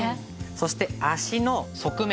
そして脚の側面。